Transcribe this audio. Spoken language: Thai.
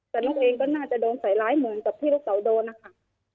แต่น้องเองก็น่าจะโดนใส่ร้ายเหมือนกับที่ลูกเต๋าโดนนะคะ